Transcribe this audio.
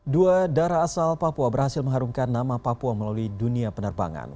dua darah asal papua berhasil mengharumkan nama papua melalui dunia penerbangan